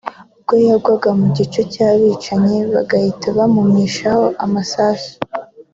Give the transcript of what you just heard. ubwo yagwaga mu gico cy’abicanyi bagahita bamumishaho amasasu